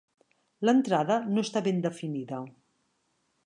L'entrada no està ben definida.